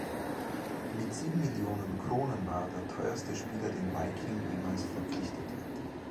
Mit sieben Millionen Kronen war er der teuerste Spieler, den Viking jemals verpflichtet hatte.